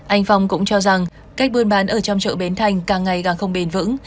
anh phong cũng cho rằng cách buôn bán ở trong chợ bến thành càng ngày càng không bền vững